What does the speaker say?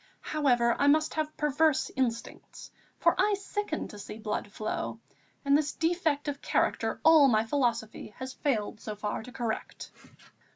However, I must have perverse instincts, for I sicken to see blood flow, and this defect of character all my philosophy has failed so far to correct."